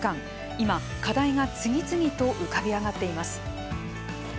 今、課題が次々と浮かび上がっています。